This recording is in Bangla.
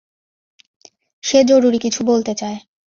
সে জরুরি কিছু বলতে চায়।